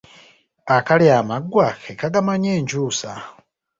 Akalya amaggwa ke kagamanya enkyusa.